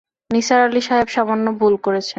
নিসার আলি সাহেব সামান্য ভুল করেছেন?